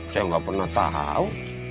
saya gak pernah tau